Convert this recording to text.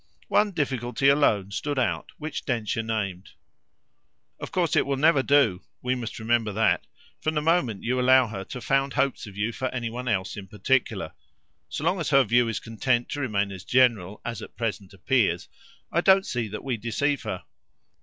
One difficulty alone stood out, which Densher named. "Of course it will never do we must remember that from the moment you allow her to found hopes of you for any one else in particular. So long as her view is content to remain as general as at present appears I don't see that we deceive her.